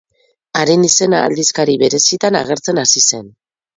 Haren izena aldizkari berezietan agertzen hasi zen.